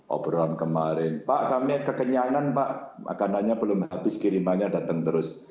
obrolan kemarin pak kami kekenyangan pak makanannya belum habis kirimannya datang terus